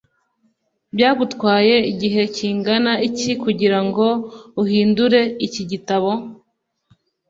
byagutwaye igihe kingana iki kugirango uhindure iki gitabo